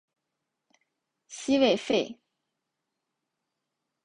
西魏废。